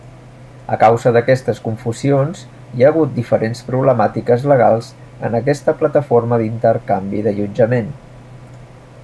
A causa d'aquestes confusions hi ha hagut diferents problemàtiques legals en aquesta plataforma d'intercanvi d'allotjament.